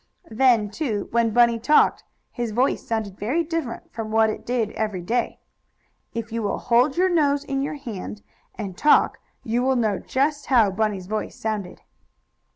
Then, too, when Bunny talked, his voice sounded very different from what it did every day. If you will hold your nose in your hand, and talk, you will know just how Bunny's voice sounded.